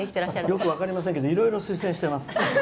よく分かりませんがいろいろ推薦しています。